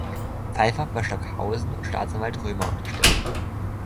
Pfeiffer war Stockhausen und Staatsanwalt Römer unterstellt.